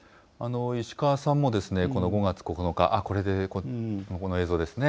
石川さんもこの５月９日、これで、この映像ですね。